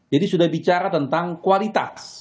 jadi sudah bicara tentang kualitas